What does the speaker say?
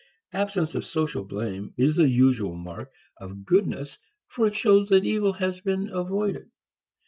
Absence of social blame is the usual mark of goodness for it shows that evil has been avoided.